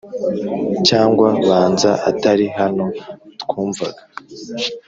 cyangwa banza atari hano twumvaga!